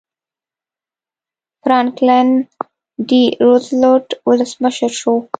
فرانکلن ډي روزولټ ولسمشر شو.